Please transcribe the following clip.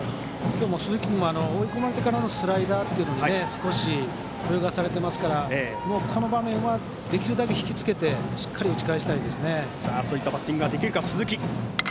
今日も鈴木君は追い込まれてからのスライダーに少し泳がされていますからこの場面はできるだけひきつけてしっかり打ち返したいですね。